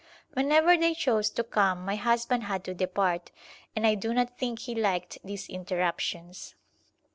Whenever they chose to come my husband had to depart, and I do not think he liked these interruptions.